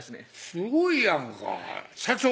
すごいやんか社長？